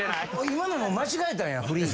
今のも間違えたんや振り。